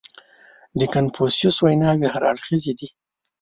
• د کنفوسیوس ویناوې هر اړخیزې دي.